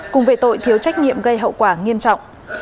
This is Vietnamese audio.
cùng về tội thiếu trách nhiệm gây hậu quả nghiêm trọng